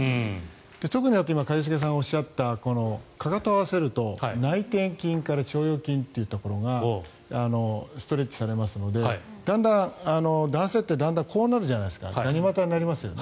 特に今、一茂さんがおっしゃったかかとを合わせると内転筋から腸腰筋というところがストレッチされますのでだんだん男性ってこうなるじゃないですかがに股になりますよね